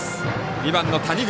２番の谷口。